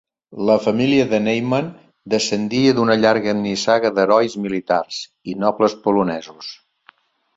La família de Neyman descendia d'una llarga nissaga d'herois militars i nobles polonesos.